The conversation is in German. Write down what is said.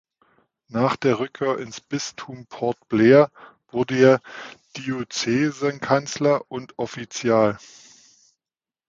Nach der Rückkehr ins Bistum Port Blair wurde er Diözesankanzler und Offizial.